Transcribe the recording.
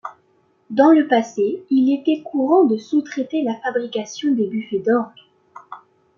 Dans le passé, il était courant de sous-traiter la fabrication des buffets d’orgue.